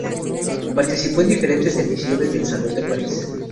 Participó en diferentes ediciones del Salón de París.